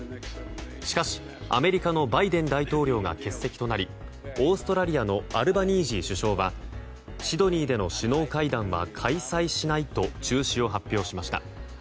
しかし、アメリカのバイデン大統領が欠席となりオーストラリアのアルバニージー首相はシドニーでの首脳会談は開催しないと中止を発表しました。